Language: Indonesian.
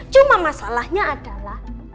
cuma masalahnya adalah